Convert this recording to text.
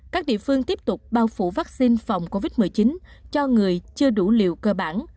các địa phương tiếp tục bao phủ vaccine phòng covid một mươi chín cho người chưa đủ liều cơ bản